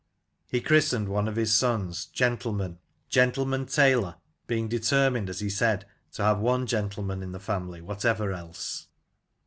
He christened one of his sons " Gentleman," Gentleman Taylor, being determined, as he said, to have one gentleman in the family, whatever else.